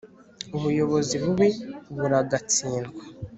ubuyobozi bubi buragatsindwa